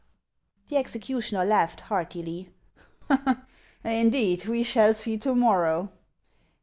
The executioner laughed heartily. " Indeed, we shall see to rnorrow.''